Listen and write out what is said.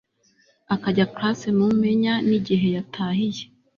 akajya class numenya nigihe yatahiye